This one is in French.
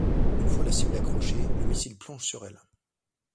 Une fois la cible accrochée, le missile plonge sur elle.